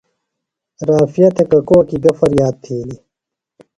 رافعہ تھےۡ ککوکیۡ گہ فریاد تِھیلیۡ؟